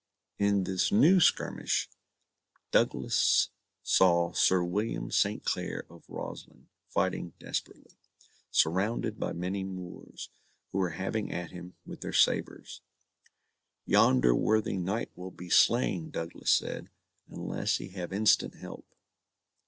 In this new skirmish, Douglas saw Sir William St. Clair of Roslyn fighting desperately, surrounded by many Moors, who were having at him with their sabres. "Yonder worthy knight will be slain," Douglas said, "unless he have instant help."